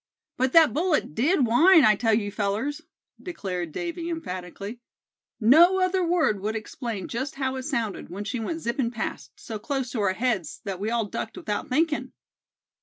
"But that bullet did whine, I tell you, fellers;" declared Davy, emphatically; "no other word would explain just how it sounded, when she went zipping past, so close to our heads that we all ducked without thinkin'."